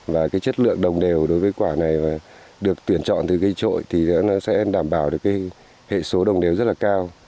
và cái chất lượng đồng đều đối với quả này và được tuyển chọn từ cây trội thì nó sẽ đảm bảo được cái hệ số đồng đều rất là cao